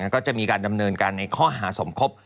ก็จะมีการดำเนินการในข้อหาสมคบ